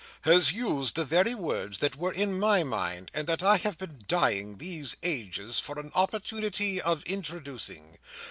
"—has used the very words that were in my mind, and that I have been dying, these ages, for an opportunity of introducing.